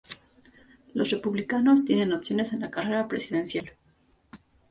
Los republicanos tienen opciones en la carrera presidencial